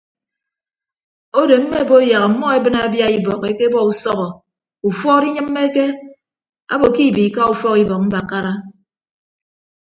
Odo mme bo yak ọmmọ ebịne abia ibọk ekebọ usọbọ ufuọd inyịmmeke abo ke ibiika ufọk ibọk mbakara.